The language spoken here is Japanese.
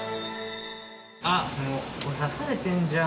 あっもうここ刺されてるじゃん。